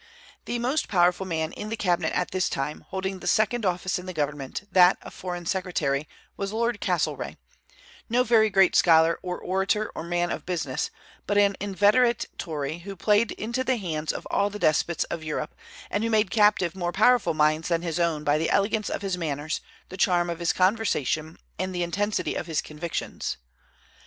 The most powerful man in the cabinet at this time, holding the second office in the government, that of foreign secretary, was Lord Castlereagh, no very great scholar or orator or man of business, but an inveterate Tory, who played into the hands of all the despots of Europe, and who made captive more powerful minds than his own by the elegance of his manners, the charm of his conversation, and the intensity of his convictions.